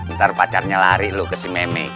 ntar pacarnya lari lu ke si meme